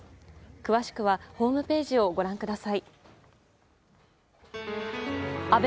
詳しくはホームページをご覧ください。